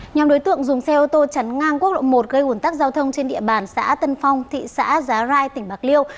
nhóm đối tượng dùng xe ô tô chắn ngang quốc lộ một gây ủn tắc giao thông trên địa bàn xã tân phong thị xã giá rai tỉnh bạc liêu